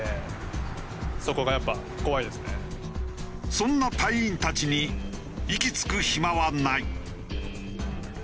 そんな隊員たちに息つく暇はない。